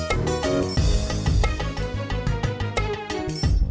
sebelum tim memadis